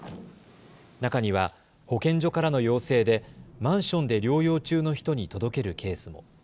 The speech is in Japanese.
中には保健所からの要請でマンションで療養中の人に届けるケースも。